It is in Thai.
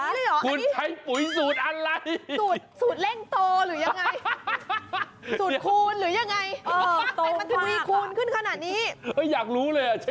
ฮะปุ๋ยผิดสูตรแล้วมันใหญ่ได้ขนาดนี้หรือคะ